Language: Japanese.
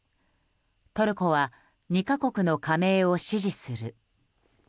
トルコは２か国の加盟を支持する。